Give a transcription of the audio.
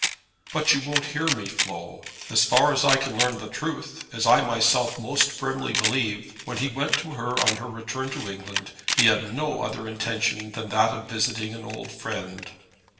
"But you won't hear me, Flo. As far as I can learn the truth, as I myself most firmly believe, when he went to her on her return to England, he had no other intention than that of visiting an old friend."